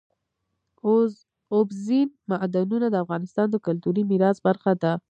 اوبزین معدنونه د افغانستان د کلتوري میراث برخه ده.